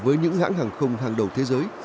với những hãng hàng không hàng đầu thế giới